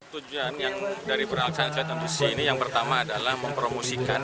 tujuan yang dari peralatan silat on the sea ini yang pertama adalah mempromosikan